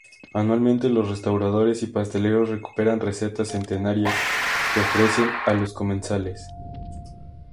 Anualmente los restauradores y pasteleros recuperan recetas centenarias que ofrecen a los comensales.